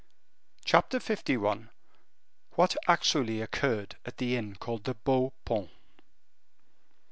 Chapter LI. What Actually Occurred at the Inn Called the Beau Paon.